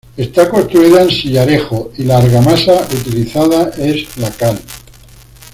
Está construida en sillarejo y la argamasa utilizada es la cal.